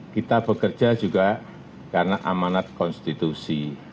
kita bekerja juga karena amanat konstitusi